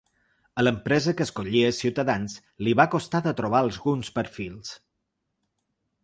A l’empresa que escollia els ciutadans li va costar de trobar alguns perfils.